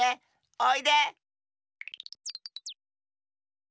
おいで！